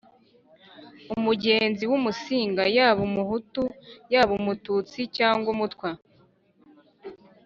umugenzi w'Umusinga (yaba Umuhutu, yaba Umututsi cyangwa Umutwa)